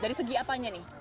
dari segi apa nih